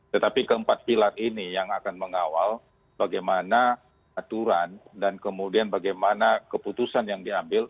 tetapi keempat pilar ini yang akan mengawal bagaimana aturan dan kemudian bagaimana keputusan yang diambil